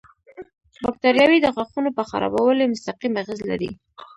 باکتریاوې د غاښونو پر خرابوالي مستقیم اغېز لري.